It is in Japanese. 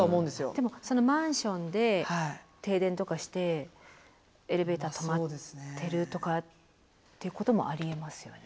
でもそのマンションで停電とかしてエレベーター止まってるとかっていうこともありえますよね。